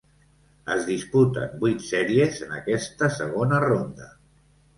Es disputen vuit sèries en aquesta segona ronda.